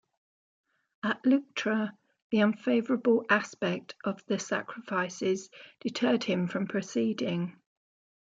At Leuctra the unfavourable aspect of the sacrifices deterred him from proceeding.